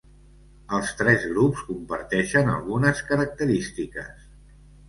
Els tres grups comparteixen algunes característiques.